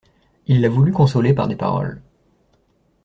Il la voulut consoler par des paroles.